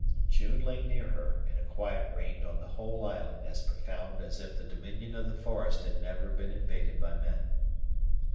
June lay near her and a quiet reigned on the whole island as profound as if the dominion of the forest had never been invaded by man.